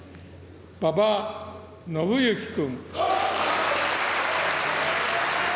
馬場伸幸君。